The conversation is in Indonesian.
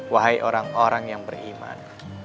wahai orang orang yang beriman